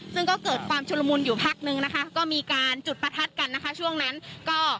ซึ่งก็เกิดความชุลมุนอยู่พักนึงนะคะก็มีการจุดประทัดกันนะคะช่วงนั้นก็